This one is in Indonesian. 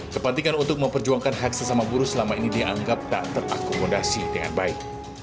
kepentingan untuk memperjuangkan hak sesama buruh selama ini dianggap tak terakomodasi dengan baik